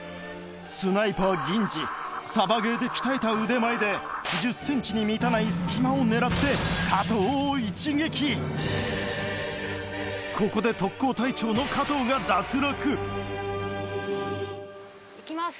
スナイパー銀次サバゲーで鍛えた腕前で１０ｃｍに満たない隙間を狙って加藤をここで特攻隊長の加藤が行きます。